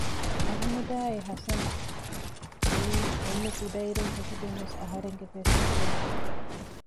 އަޙުމަދުއާއި ޙަސަނު އެއީ އެންމެ ކުޑައިރުން ފެށިގެން ވެސް އަހަރެންގެ ބެސްޓް ފުރެންޑުން